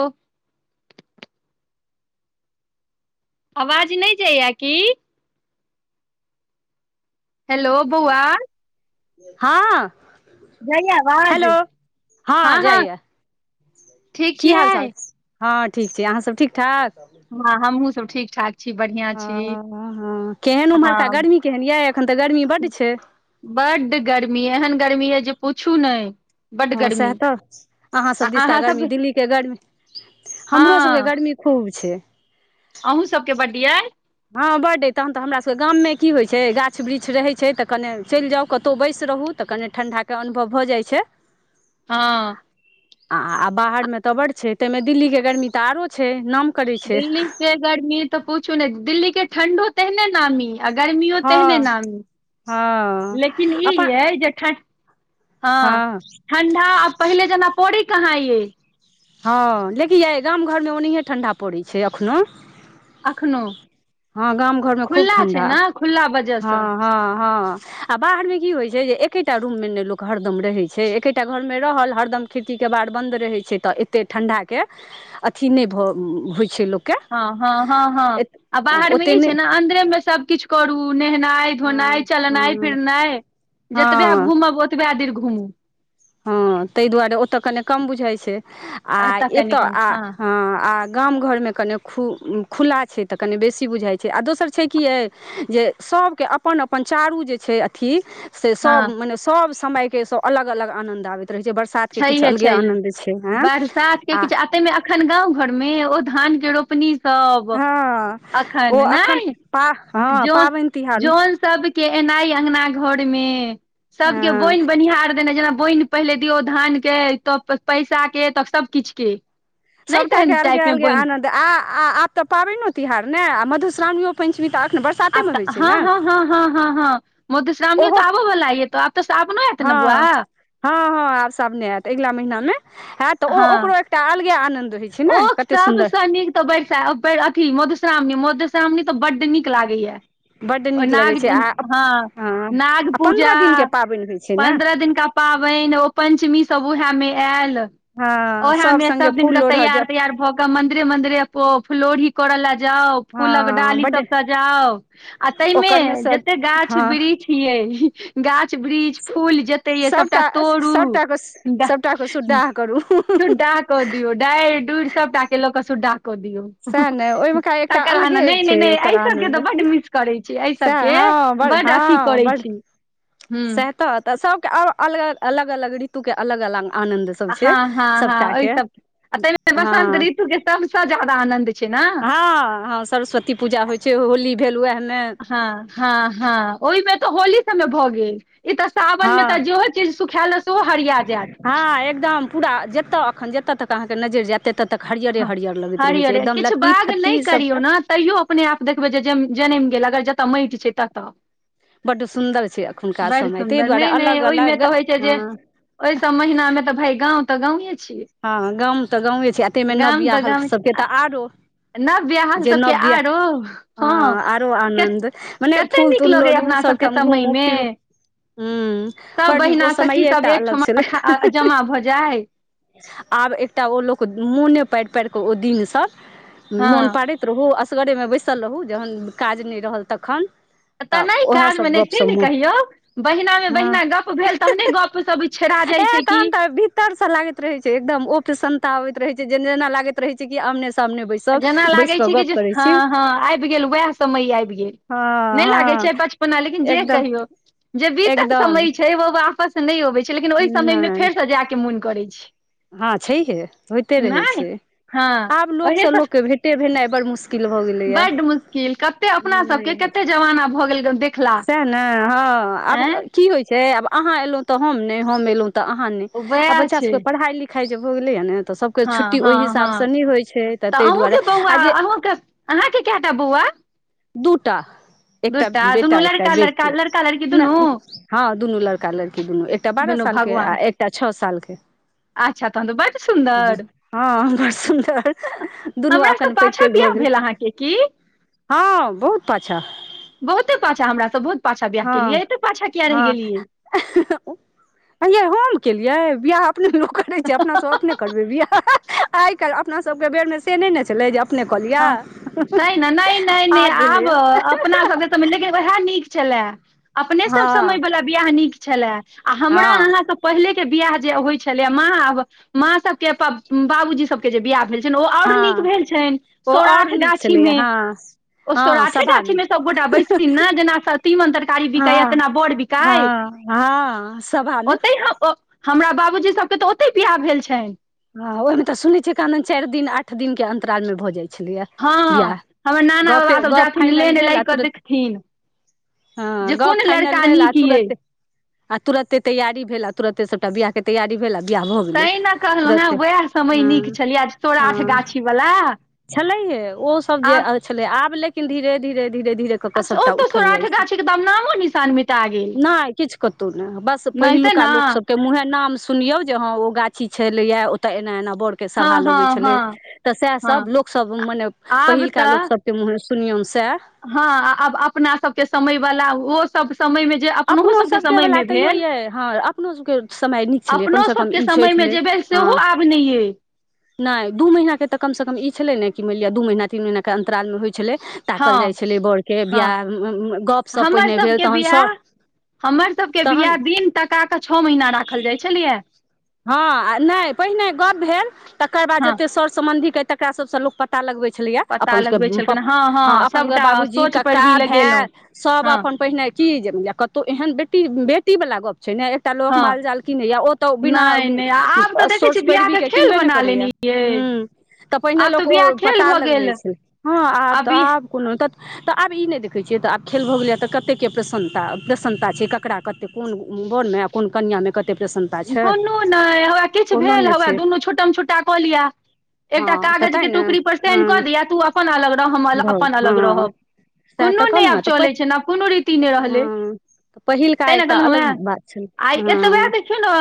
ओ [inaudible] आवाज नहि जाय ये की हेलो बौआ हँ जाइये आवाज हेलो हँ हँ ठीक की हाल छियैै चाल हँ ठीक छै अहाँसभ ठीक ठाक हँ हमहुँ सब ठीक ठाक छी बढ़िआँ छी ओ केहन ओम्हरका हँ गर्मी केहन यऽ एखन तऽ गर्मी बड्ड छै बड्ड गर्मी एहन गर्मी यऽ जे पूछू नहि बड्ड हँ सएह गर्मी तऽ आ अहाँसभ दिशका अहाँ गर्मी सबके दिल्लीके गर्मी हमरो सबके हँ गर्मी खूब छै अहूँ सबके बड्ड यै हँ बड्ड अइ तखन तऽ हमरासभके गाममे की होइत छै गाछ वृक्ष रहैत छै तऽ कने चलि जाउ कतहु बैसि रहू तऽ कनि ठण्डाके अनुभव भऽ जाइ छै हँ आ आ बाहर मे तऽ बड्ड छै ताहिमे दिल्ली के गर्मी तऽ आरो छै नाम करैत छै दिल्ली के गर्मी तऽ पूछू नै दिल्ली के ठण्डो तेहने नामी आ गर्मियो हँ तेहने नामी हँ लेकिन ई अपन यै जे ठण्डा हँ ठण्डा आब पहिले जेना पौरैय कहाँ यै हँ लेकिन यइ गाम घरमे ओनाहिये ठण्डा पड़ैत छै एखनो अखनो हँ गाम घरमे खूब खुला छै ठण्डा ने खुला वजह सँ हँ हँ हँ आ बाहर मे की होइ छै जे एकेटा रूम मे ने लोक हरदम रहे छै एके एकटा घरमे रहल हरदम खिड़की केबार बन्द रहै छै तऽ ए [unintelligible] ओतेक ठण्डाके अथी नहि भऽ होइ छै लोक हँ हँ हँ हँ आ बाहरमे ओते ई छै नहि ने अन्दरेमे सभ किछु करू नेहेनाइ हँ धोनाइ चलनाइ हँ फिरनाइ जतबे हँ घुमब ओत ओतबए देर घुमू हँ ताहि दुआरे ओतय कने कम बुझाइ छै आ एतय आ हँ आ गाम घर में कने खु खुला छै तऽ कनि बेसी बुझाई छै आ दोसर छै की अइ जे सभके अपन अपन चारू जे छै अथी से सब हँ म ने सब समय के सब अलग अलग आनंद आबैत रहे छै बर्षा साथ के किछु छैहे अलगे छैहे आनन्द छै ह बरसात के आ किछु ताहिमे अखन गाँव घर में ओ धान के रोपनी सब हँ ओ अखन एखन नहा पा हँ जन पाबनि तिहार जन सब के एनाइ अगना घर में सब के हँ बोनि बनिहार देना जेना बोनि पहिले दियौ धान के तऽ पैसा के तऽ सबकिछ के नहि सबटाक तेहन अलगे टाइप मे अलगे बनि आनन्द आब तऽ पाबनि तिहार ने आ मधुशावणियो प चचमी तऽ अखन बस आब त हँ हँ ह हँ हँ हँ मधुश्रावणी ओहो तऽ आबो वला ये तो आब तऽ सावनो हत न बुआ हँ हँ हँ आब साबने होयत अगिला महीना में हयत तऽ ओ हँ ओकरो अलगे आनन्द होइ छै ने ओ कते सब सुन्दर पस अथी मधुश्रावणी मधुश्रावणी तऽ बड्ड नीक लागैया बड्ड ओ नीक लगै नाग छै आ हँ नाग आ पन्द्रह पूजा दिन के पाबनि होइ छै ने पन्द्रह दिन का पाबनि ओ पंचमी सब उएहे में आयल हँ ओहे मे संगे सब दिन फूल के लोढ़ऽ तैयार जाउ भऽ कऽ मंदरे मंरे फ्लोर ही करऽ लए जाउ फूलक हँ डाली बड्ड सब सजाउ आ तहि मे ओकर सँ जते गाछ हँ वृक्ष ये गाछ वृक्ष फूल जते य सबटा तोड़ सबटा के सबटा के सुद्दाह करू सु्डा कऽ दियऔ डारि डढ़ि सबटा के लऽ कऽ सुुड्डाह कऽ दियऔ सएह ने ओहिमे का एकटा तकर बाद ने अलगे नहि नहि छै नहि ओकर एहि सभके तऽ आनन्द बड्ड मिस करैत छी एहि सएह सभके हँ बड़ बड अ की करै छी ह त त सब के अलग अलग अलग ऋतु के अलग अलग आनंद हँ हँ हँ ओहि सब ताहिमे बसंत हँ ऋतु के सबसँ ज्यादा आनन्द छै ने हँ हँ सरस्वती पूजा होइ छै होली भेल वएह में हँ हँ हँ ओहि में तऽ होली सबमे भऽ गेल ई तऽ सावन में तऽ हँ जेहो चीज सुखायल सेहो हरिया जायत ह एकदम पूरा जते अखन जतताे तक अहाँ के नजर जयत एते तऽ तक हरियरे हँ हरियर लगैत रहै छै हरियरे एकदम किछु लत्ती बाग फत्ती नहि सब करियौ तऽ ने तैयो अपने आप देखबै जे जनमि गेल अगर जतऽ माटि छै ततऽ बड्ड सुन्दर छै एखुनका बड़ समय तहि सुन्दर दुआरे नहि नहि अलग ओहिमे अलग तऽ होइ छै हँ जे ओहि सब महीना में तऽ भाय गाँव तऽ गांवे छियै हँ गाँम तऽ गाँवे छै एतेमे नब बियाह हल सबके तऽ आरो जे सबर नव बियाह क हँ आरो आनन्द मने फूल तूल न लोढ़ू लना सब के सभठाम समय घूमू मे फिरू हूँ सब बड नीक ओ बहिना सखी समये सब एकटा अलग छलै एकठमा जमा भजा आब एकटा ओ लोक मोने पारि पार कऽ ओ दिनसँ हँ मोन पाड़ैत रहू असगरेमे बैसल रहू जखन काज नहि रहल तखन तऽ नहि उएह काजमे सब नहि गप से सब नहि मोन कहियौ बहिना में हँ बहिना गप भेल तहने गपसभ छेड़ा जाइ छै की तर से लागैत रहे छै एकदम ओप समता अबैत रहे छै जे जेना लागैत रहे छै क आमने सामने बै छै जेना लागै छै कि जे हँ हँ आबि गेल उएह समय आबि गेल हँ नहि लागे हँ छै बचपना लेकिन जे एकदम कहियो जे बीतक एकदम समय छै बाबा आपस नहि अबैत छै लेकिन ओहि समयमे नहि फेरसँ जायके मोन करैत छै हँ छैहे होइते रहै नहि छै हँ आब लोकसँ लोकके भेटे भेनाई बड़ मुशकिल बड मुश्किल कते अपना सबके नहि कते जमाना भऽ गेल देख सएह ने हँ आब की होइत छै आब अहाँ एलहुँ तऽ हम नहि हम एलहुँ उएह बच्चा छै सब पढ़ाइ लिखाइ भ गेल के हँ छुट्टी हँ ओहि हँ हिसाबसँ नहि होइत छै तऽ ताहि दुआरे अहूँके बौआ आ जे अहूँके अहाँके क टा बौआ दूटा एकटा दूटा दुनू बेटा एकटा लड़का लड़का बेटी लड़का लड़की ने दुनू हँ दुनू लड़का लड़की दुनू एकटा बारह दुनू साल के आ भगवान एकटा छओ साल के अच्छा तहन तऽ बड सुन्दर हँ बड़ सुन्दर दुनू अखन पैघ पैघ भऽ गेल क की हँ बहुत पाछा बहुते पाछा हमरास बहुत पाछा बियाह केलियै एते पाछा किया रहि गेलियै अये हम केलियै बियाह करै अपना सब अपने करबै बियाह आइ काल्हि अपना सबके बेरमें से नहि ने छलै अपने कऽ लिअ हँ सह न नहि नहि नहि आब अपना सबके सम लेकिन उएह नीक छलए अपने सब समय हँ बला बियाह नीक छले आ हमरा हँ अहाँके पहिले के बियाह जे होइ छले माँ माँ सब के बाबूजी सब के जे बियाह भेल ओ ओर नीक हँ भेल छनि ओ आओर सौराठ नीक छलैया गाछीमे हँ ओ हँ सौराठे सभा गाछी मे सबगोटा बैसथिन ने जेना तीमन तरकारी हँ बिकैया तना बड़ बिक हँ हँ सब हाल ओतहि हमरा बाबूजी सभके तऽ ओतहि बियाह भेल छनि ह ओहि में तऽ सुनने छियै कानन चारि दिन आठ दिन के अंतराल में भऽ जाइत छलिये हँ बिवाह हमर नाना गपे बाबा सभ गप जाथिन फाइनल लेन भेल लय आ कऽ तुरत देखथिन हँ जे गप कोन फाइनल लड़का भेल नीक ये तुरते आ तुरते तैयारी भेल आ तुरते सभटा बियाहके तैयारी भेल आ बियाह भऽ गेलै कहलहु हेँ तुरते उएह समय हँ नीक छलियै सौराठ गाछी वला छलै हे ओ सब जे आब छलै आब लेकिन धीरे धीरे धीरे धीरे क क आब ओ सबटा तऽ उठल सौराठ जाई छैय गाछी के दाम नामो निशान मिटा गेल नहि कीछ कतौ नहि बस नहिते पहिलुका ने लोक सभ के मुंहे नाम सुनियो जे हं ओ गाछी छले या ताे एना एना बोड़ हँ सभा लगै हँ छलै हँ त से हँ सभ लोक सभ मने आब पहिलका लोक तऽ सभ तमहे सुनिय स हँ आब अपना सबके समय बला ओ समय मे जे अपन अपनो सबके सभके समय वला में तैयो भेल ये हँ अपनो सभके समय नीक छलै अपनो कमसँ कम सभके ई होइ समयमे छलै जे भेल हँ सेहो आब नहि अइ नहि दू महीनाक तऽमसँ कम ई छलै ने कि मानि लिअ दू महीना तीन महननाे अतरालमे होइ छलै ताकल हँ जाइ छलै बड़के हँ बियाह गप सप पहिने भेल तहन स हमरसबके बियाह दिन तकाके छओ महीना राखल जाइ छलियै हँ आ नहि पहिने गप भेल तकर बाद हँ जतेक सर सम्बन्धीेइ तकरा सभसँ लोक पता प्ता लगबै छलियया पता अपन लगबै सभके प छलखिन हँ अपन सभके सभटा बाबूजी सोझ कक्का पैरवी लगेलहुँ भाय सब हँ अपन पहिने की जे या कतौ एहन बेटी बेटी वाला गप छै ने एकटा लो हँ माल जाल की ने या ओत नहि नहि आ आब तऽ बिना देखै सोर्स छियै पैरवीक बियाहके के खेल किनबे नहि बना करैय लेने यै ह् तऽ पहिने आब लोक बियाह ओ खेल पता भऽ लगबै गेल छै हँ आब आ तऽ बि आब कोनो त तऽ आब ई नहि देखैत छियै तऽ आब खेल भऽ गेलै तऽ कते के प्रसन्नता प्रसन्नता छै ककरा कतेक कोन वनमेब कोन कनिया मे कते प्रसन्न कोनो नहि हए किछु भेल हौए छै दुनू छुटटम छुटा कऽ लिअ एकटा हँ तऽ तैँ कागजके ने टुकड़ी पर हँ साइन कऽ दिअ तू अपन अलग रह हम भऽ अपन अलग हँ रहब सएह कोनो तऽ नहि कहलहुँ आब हेँ तऽ चलै पहिल छै न आब कोनो रीति नहि रहलै हँ तऽ पहिलका तै ने एकटा कहलहु अलग है बात छलै आइ हँ एतवे चलो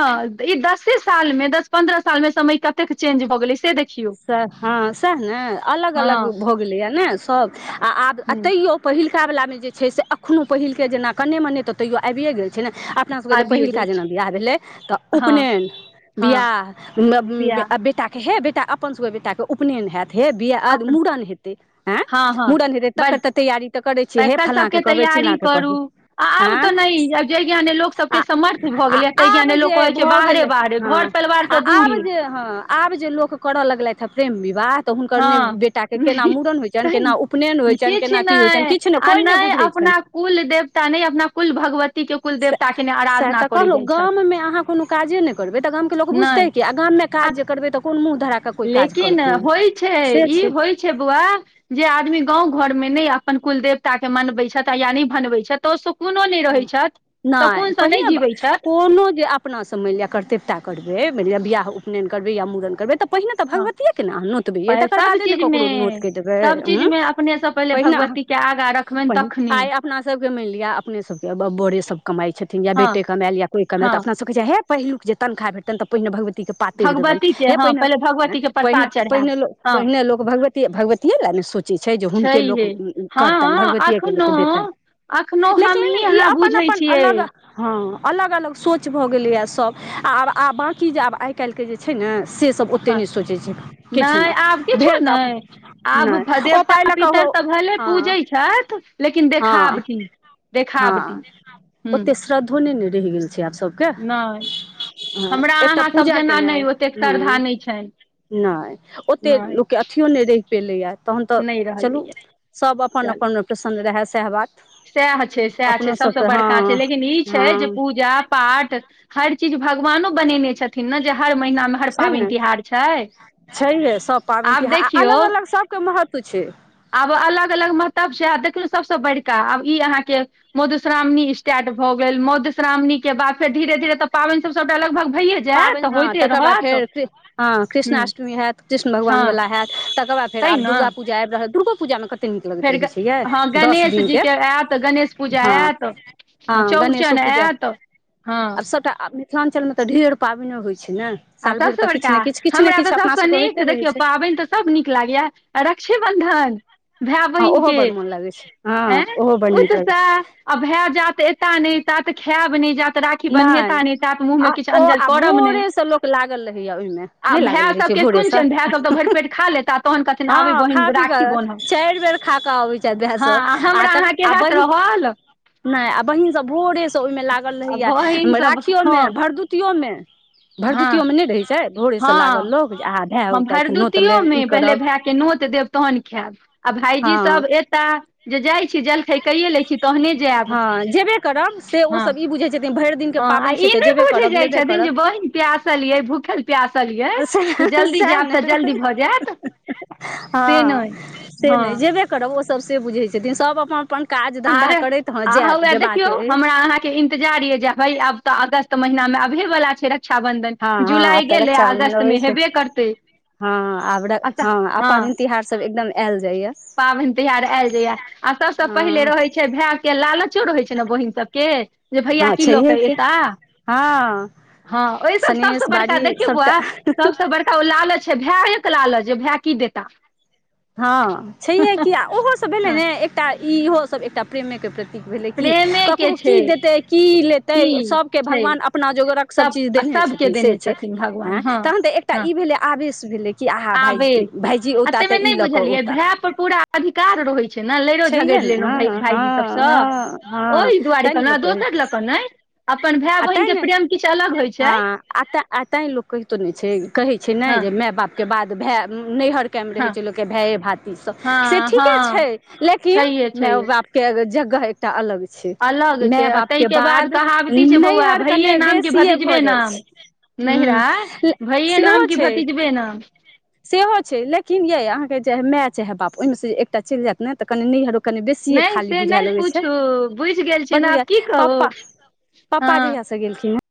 ई दसे साल में दस पन्द्रह साल मे समय कतेक चेंज भ गेलै से देख सए हँ सएह ने अलग हँ अलग भ गेलैए ने सभ आ आब ह तैयो पहिलकावला मे जे छै से एखनो पहिलके जेना कने मने त तैयो आबिए गेल छै ने आ अपनासबके जे आबियो जाइ पहिलका जेना छै वियाह भेलै तऽ हँ उपनयन हँ बियाह बिआह बेटाके हे बेटा अपन सभके बेटाके उपनयन हैत हे बिय आज अपन मूड़न हेते ह हँ हँ मूड़न हेते बड़ तकर त तैयारी त करे हे तकर फलला के सबके कहबै चिल्ला तैयारी के करू कहबै आ आब तऽ नहि आब जाहि ज्ञाने लोक हँ आ सबके समर्थ भऽ आ गेलै ताहि आब ज्ञाने लोक जे कहै छै भऽ गेल बाहरे बाहरे हँ घर परिवार आ तऽ आब दूरे जे हँ आब जे लोक कर लगलथि है प्रेम विवाद तऽ हुनकर ने हँ बेटाके केना नहि मूड़न होइत छनि तहि केना उपनयन ने होइत छनि किछु केना की होइत छनि किछ नहि आ कोइ नहि बुझैत छनि अपना कुल देवता नहि अपना कुल भगवती के कुल देवता के नहि सएह आराधना तऽ करै कहलहुँ जाइ छथि गाममे अहाँ कोनो काजे नहि करबै तऽ गामके लोक नहि बुझतै कि गामे आ काज जे करे तऽ कोन मुह धरा कऽ कोइ काज लेकिन करतै होइ छै ई होइ छै बौआ जे आदमी गाँव घरमे नहि अपन कुल देवताे मनबैत छथि या नहि बनबैत छथि तऽ ओ सुकूनो नहि रहै हँ छथि नहि शकुनसँ पहिने जीवै छथि कोनो जे अपनासँ मनी लिअ कतव्यता करै मि लिअ बिह उपन करबै या म मुड़न करबै तऽ पहिने तऽ हँ भगवतियेके ने अहाँ नोतबियै तकर सभ बादे ने चीजमे ककरो नोत कऽ सभ देबैँ चीजमे अपनेसँ पहिले पहिने अहाँ भगवतीके आगाँ रखबनि प तखने आइ अपना सबके मानि लिअ अपने सबके बड़े सभ कमाइत छथिन या हँ बेटे कमाायल या कोइ कमायल तऽ हँ अपनासभ कहै छै हे पहिलुक जे तनखा भेटल रहे पहिने भगवती पातरि देबनि भगवती के हे हँ पहिने पहिले भगवती के पहि प्रसाद चढ़ायब पहिने हँ पहिने लोक भगवती भगवतिये लए ने सोचै छै जे हुनके लोक छैहे करतनि भगवतियेके लोक देतनि अखनोहु लेकिन हमहीँ ई अहाँ अपन बुझै अपन छियै अलग हँ अलग अलग सोच भऽ गेलैएा सभ आ आब आब बाकी जे आब आइ आइकाल्हिके जे छै ने से सब ओते हँ नहि सोचै छै किछु आब नहि किछो भेल तऽ नहि अपन आब नहि ओ देवता पाइ लऽ कऽ पितर हो त भले हँ पूजैत छथि लेकिन हँ देखाबटी हँ ओते श्रद्धो नहि ने रहि गेल छै आब सब नहि हमरा एकटा अहाँसभ पूजा जेना केनाइ नहि ओतेक श्रद्धा हँ नहि छनि नहि ओत नहि लोक अथीऔने रह पेलैए तहन त नहि चलू रहलैया सब अपन चलू अपन प्रसन्न रहए सएह बात सएह छै सएह छै अपनो सबस सभके बड़का छै हँ लेकिन ई छै जे हँ पूजा पाठ हर चीज भगवानो बनेने छथि न ने जे हर महीनामे हर छै ने पाबनि तिहार छै आब देखियौ क महत्व छै आब अलग अलग महतब छै आ देखियौ सभसँ बड़िका आब ई अहाँके मधुश्रावणी स्टार्ट भऽ गेल मधुश्रावणी के बाद फेर धीरे धीरे तऽ पाबनि सब सभटा लगभग भैय जा तऽ पाबनि हँ होइते तकर बाद रहत फेर हँ ह कृष्णाष्टमी हैत कृष्ण हँ भगवानवला हयैत तकर बाद फेर तै आब ने दुर्गाापूजा आबि रहल दुर्गा पूजामे कतेक कतेक नीक लगैत फेर ग रहै छै य हँ दस गणेश जी दिनके के आयत गणेश पूजा ह आयत हँ चौड़चन गणेशो पूजा आयत हँ आब सभटा मिथिलाञ्चल में तऽ ढेर पाबनि होइत छै ने आ साल भरि सभसँ तऽ किछु बड़का ने किछु किछु ने हमरा तऽ किछु अपना सभसँ सभके नीक होइते रहै देखियौ छै पाबनि तऽ सभ नीक लागैए रक्षा बन्धन भाय हँ ओहो बहिनके बड मोन लागै छै हँ अय ओहो बड नीक लगै ओतसँ छै अभय जात एता नहि त खायब नहि जात तऽ राखी नहि बन्हता न ता तऽ मुँह में आ किछ ओ अंजल आ करब ने नहि भोरेसँ लोक लागल रहैया ओहिमे आ नहि लागल भाय रहै छै सभके कोन भोरेसँ छैन भाय सभ तऽ ह भरि ह पेट खा लेता तहन कहथिन आबै हँ खा बहिन पी राखी कऽ बान्हब चारि बेर खा अबै छथि भाय हँ सब आ हमरा त अहाँके आ हैत बहिन रहल आ नहि आ बहिन सब भोरे ओहि में लागल रहैया बहिन सभ हँ भरदुति में हँ भरदुतियो मेँ नहि रहै छै भोरे से हँ लागल लोक जे अँहा भाय हम उताए तऽ नोत लेब भरदुतियोमे ई पहिले करब भायके नोत देब तहन खायब आ भाईजी हँ सब एता जे जाइ छी जल छकेयो लै छी तहने जायब हँ जेबे करब से हँ ओसभ ई बुझैत छथिन भरि दिनके ह आ पाबनि छै ई तऽ नहि जेबे बुझे करब जाय लेबे छथिन करब जे बहिन प्यार पासल यै भूखल प्यासल यै जल्दी सएह जायब ने तऽ जल्दी भऽ जायत से हँ नहि से हँ नहि जेबे करब ओ सब से बुझै छथिन सभ अपन अपन काज आर धन्धा करैत हँ आ जायब ह जेबाक देखियौ अइ हमरा अहाँ के इन्तजार य जे भइ आब तऽ अगस्त महिनामे अबेवला छै रक्षाबंधन हँ हँ आब जुलाई तऽ गेलै रक्षाबन्धन अगस्त अबै में छै हेबे करतै हँ आब हँ आ पाबेन तिहारसभ एकदम आयल जाइए पाबनि तिहार आयल जाइया आ सबसे पहिले रहै छै भाय के लालचो रहै छै ने बहिन सबके जे भैया हँ की लऽ छैहे के कि एता हँ हँ ओहि सब सनेस सबसँ बड़का बाड़ी देखिय बौआ सभटा सबसँ बड़का लालच छै भाय एक लाल छै भाय की देता हँ छैहे कि आ ओहो सब भेलै हँ ने एकटा इहोसभ एकटा प्रेमेके प्रति भेलै क प्रेमे के ककरो छै की देतै की लेतै की सबके छै भगवान अपना जोगरक सब चीज देने सबके छथिन से देने छै छथिन ऐ भगवान हँ तऽ हँ ई भेले आवेश भेले कि आहा भाईज आबेर भाईजी आ ओता ताहिमे नहि बुझलियै भाय पर पूरा अधिकार रहै छै ने लड़ो छैहे झगड़ि ने लेलहुँ हँ भाायजी हँ सबसँ हँ हँ ओहि दुआरे तैँ ने कख लोक कहै दोसर छै ल अपन भाय आ तें बहिनके ने प्रेम किछु अलग होइ छै हँ तैं लोक कहितो नहि छै कहै छै ने हँ जे माय बाप के बाद भए नैहर रहै हँ छै लोक भए भाति सब से हँ ठीके हँ छै लेकिन छैहे छैहे मेओ बा के जगह एकटा अलग छै अलग छै माय आ बाप के ताहिके बाद कहावती छै बौआ नैहर कने भैये नाम कि बेसियए भ भतीजबे जाइ नाम छै नहिरा ह भैये सेहो नाम कि छै भतीजबे नाम सेहो छै लेकिन ये अहाँ के जे माय चाहे बाप ओहि मे से एकटा चलि जायत ने त कनी नहर कनि बेसियए नहि खाली से बुझाए नहि लगे छै पूछू बुझि गेल छी बड ने आब बुझ की कहू पापा पपा हँ जहिया से गेलखिन हँ